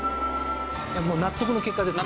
もう納得の結果ですね。